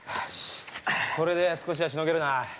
これで少しはしのげるな。